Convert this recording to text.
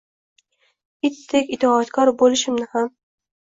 Itdek itoatkor bo’lishimni ham.